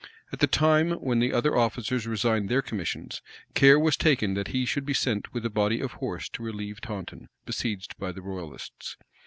At the time when the other officers resigned their commissions, care was taken that he should be sent with a body of horse to relieve Taunton besieged by the royalists.